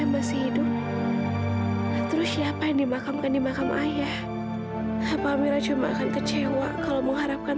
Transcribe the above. masih sakit udah jalan jalan